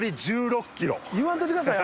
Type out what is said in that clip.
言わんといてください